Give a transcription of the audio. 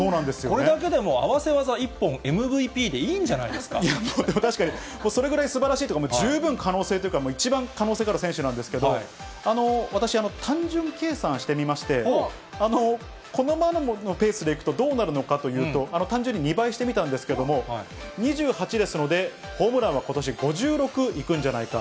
これだけでも合わせ技一本Ｍ確かに、それぐらいすばらしいというか、十分可能性というか、一番可能性がある選手なんですけれども、私、単純計算してみまして、このままのペースでいくとどうなるのかというと、単純に２倍してみたんですけれども、２８ですので、ホームランはことし５６いくんじゃないか。